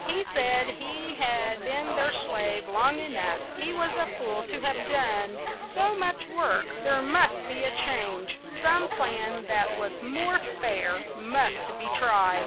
He said he had been their slave long e nough ; he was a fool to have done so much work : there must be a change ; some plan that was more fair must be tried.